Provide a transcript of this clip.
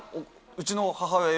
うちの母親